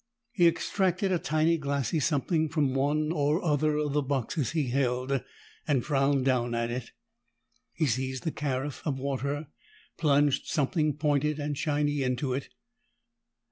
He extracted a tiny glassy something from one or other of the boxes he held, and frowned down at it. He seized the carafe of water, plunged something pointed and shiny into it.